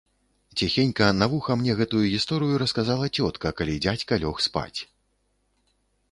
Ціхенька на вуха мне гэтую гісторыю расказала цётка, калі дзядзька лёг спаць.